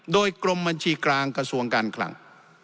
โดยกรมบัญชีกลางกระทรวงการคลัง